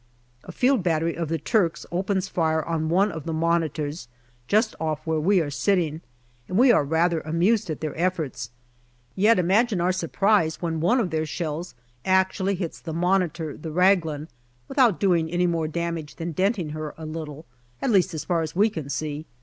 A field battery of the Turks opens fire on one of the Monitors just off where we are sitting, and we are rather amused at their efforts ; yet imagine our surprise when one of their shells actually hits the Monitor, the Raglan, without doing any more damage than denting her a little, at least as far as we can see.